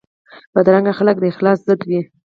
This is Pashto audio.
بدرنګه خلک د اخلاص ضد وي